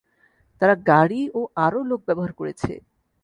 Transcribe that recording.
তারা গাড়ি ও আরও লোক ব্যবহার করেছে।